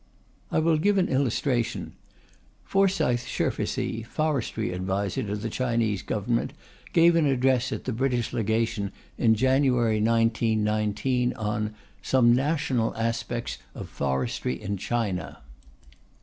I will give an illustration. Forsythe Sherfesee, Forestry Adviser to the Chinese Government, gave an address at the British Legation in January 1919 on "Some National Aspects of Forestry in China."